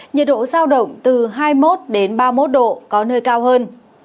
nhiệt độ giao động từ hai mươi một ba mươi một độ có nơi cao hơn